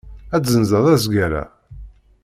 Ad tezzenzeḍ azger-a?